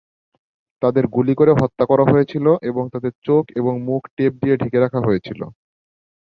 তাদের গুলি করে হত্যা করা হয়েছিল এবং তাদের চোখ এবং মুখ টেপ দিয়ে ঢেকে রাখা হয়েছিল।